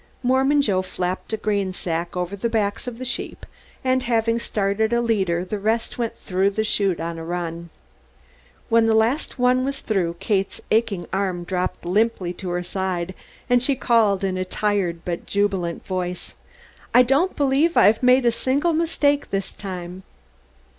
Mormon Joe flapped a grain sack over the backs of the sheep and having started a leader the rest went through the chute on the run. When the last one was through Kate's aching arm dropped limply to her side and she called in a tired but jubilant voice: "I don't believe I've made a single mistake this time."